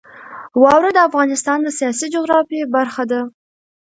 واوره د افغانستان د سیاسي جغرافیه برخه ده.